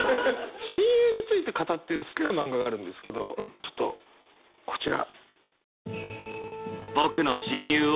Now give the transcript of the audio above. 親友について語ってる好きな漫画があるんですけどちょっとこちら。